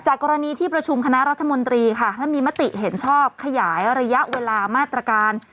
กรณีที่ประชุมคณะรัฐมนตรีค่ะท่านมีมติเห็นชอบขยายระยะเวลามาตรการ